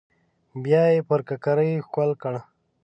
بيا يې پر ککرۍ ښکل کړه.